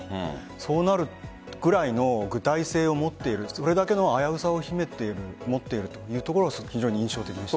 そうなるくらいの具体性を持っているそれだけの危うさを秘めている持っているというところ非常に印象的でした。